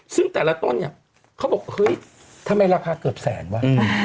ซึ่งแต่ละต้นเนี่ยเขาบอกเฮ้ยทำไมราคาเกือบแสนวะ